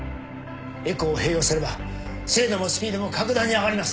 エコーを併用すれば精度もスピードも格段に上がります。